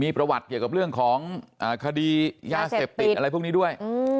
ประวัติเกี่ยวกับเรื่องของคดียาเสพติดอะไรพวกนี้ด้วย